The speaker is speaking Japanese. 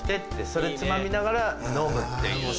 それつまみながら飲むっていう。